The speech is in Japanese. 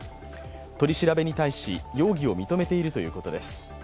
取り調べに対し容疑を認めているということです。